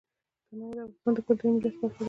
تنوع د افغانستان د کلتوري میراث برخه ده.